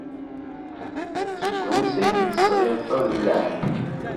Seg wansi ay d-tesɣiḍ tadellaɛt-a?